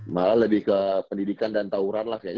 malah lebih ke pendidikan dan tawuran lah kayaknya